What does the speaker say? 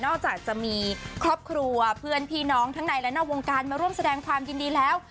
จากจะมีครอบครัวเพื่อนพี่น้องทั้งในและนอกวงการมาร่วมแสดงความยินดีแล้ว